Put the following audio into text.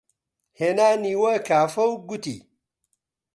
هێنانیوە کافە و گوتی: